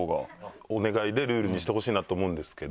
お願いでルールにしてほしいなって思うんですけど。